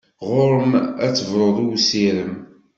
Ɣur-m ad tebruḍ i usirem!